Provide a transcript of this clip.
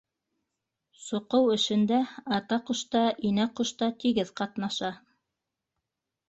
Соҡоу эшендә ата ҡош та, инә ҡош та тигеҙ ҡатнаша.